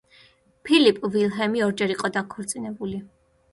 ფილიპ ვილჰელმი ორჯერ იყო დაქორწინებული.